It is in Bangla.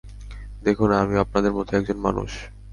দেখুন, আমিও আপনাদের মতোই একজন মানুষ!